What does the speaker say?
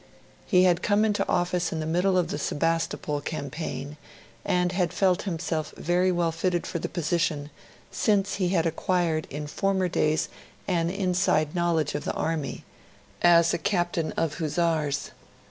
He had come into office in the middle of the Sebastopol Campaign, and had felt himself very well fitted for the position, since he had acquired in former days an inside knowledge of the Army as a Captain of Hussars.